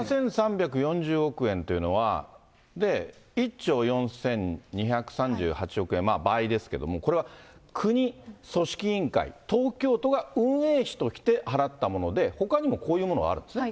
７３４０億円というのは、１兆４２３８億円、倍ですけれども、これは国、組織委員会、東京都が運営費として払ったもので、ほかにもこういうものがあるんですね。